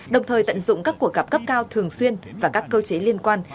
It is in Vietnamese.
đồng thời tận dụng các cuộc gặp cấp cao thường xuyên và các cơ chế liên quan